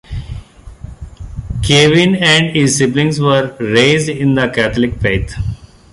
Kevin and his siblings were raised in the Catholic faith.